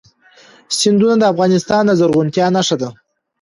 سیندونه د افغانستان د زرغونتیا نښه ده.